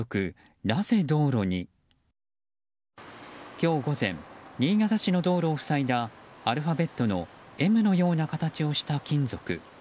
今日午前新潟市の道路を塞いだアルファベットのＭのような形をした金属。